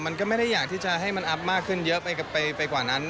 มันก็ไม่ได้อยากที่จะให้มันอัพมากขึ้นเยอะไปกว่านั้น